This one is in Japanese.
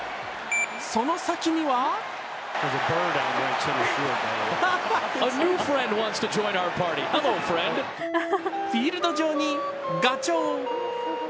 その先にはフィールド上にがちょう。